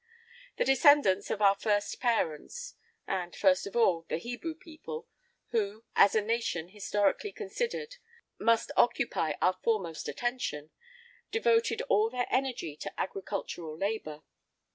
[I 4] The descendants of our first parents and, first of all, the Hebrew people, who, as a nation historically considered, must occupy our foremost attention devoted all their energy to agricultural labour.